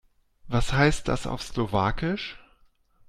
Was heißt das auf Slowakisch?